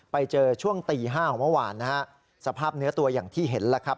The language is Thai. ไปเจอช่วงตี๕ของเมื่อวานนะฮะสภาพเนื้อตัวอย่างที่เห็นแล้วครับ